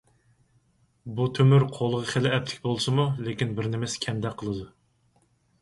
بۇ تۆمۈر قولغا خېلى ئەپلىك بولسىمۇ، لېكىن بىرنېمىسى كەمدەك قىلىدۇ.